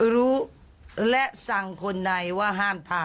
รู้และสั่งคนในว่าห้ามทำ